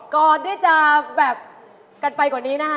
ก่อนที่จะแบบกันไปกว่านี้นะคะ